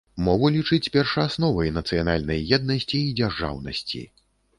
Мову лічыць першаасновай нацыянальнай еднасці і дзяржаўнасці.